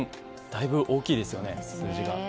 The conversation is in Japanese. だいぶ大きいですよね、数字が。